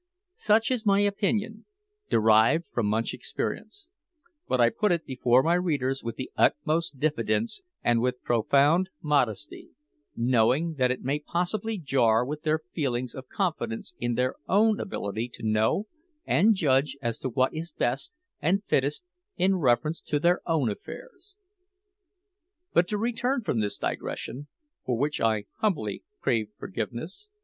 Such is my opinion, derived from much experience; but I put it before my readers with the utmost diffidence and with profound modesty, knowing that it may possibly jar with their feelings of confidence in their own ability to know and judge as to what is best and fittest in reference to their own affairs. But to return from this digression, for which I humbly crave forgiveness.